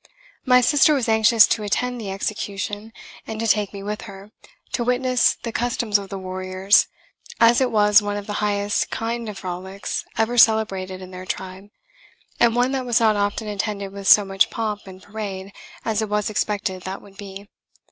My sister was anxious to attend the execution, and to take me with her, to witness the customs of the warriors, as it was one of the highest kind of frolics ever celebrated in their tribe, and one that was not often attended with so much pomp and parade as it was expected that would be.